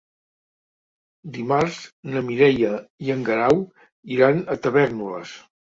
Dimarts na Mireia i en Guerau iran a Tavèrnoles.